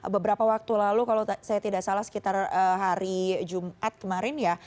beberapa waktu lalu kalau saya tidak salah sekitar hari jumat kemarin ya